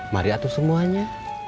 mari atuh semuanya